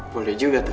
boleh juga tuh